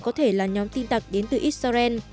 có thể là nhóm tin tặc đến từ israel